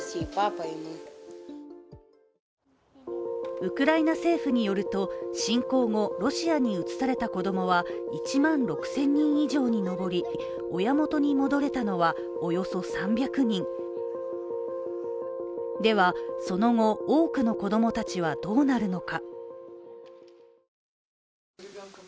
ウクライナ政府によると侵攻後、ロシアに移された子供は１万６０００人以上に上り、親元に戻れたのはおよそ３００人、ではその後、多くの子供たちはどうなるのか。